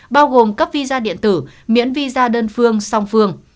bao gồm cấp visa điện tử miễn visa đơn phương song phương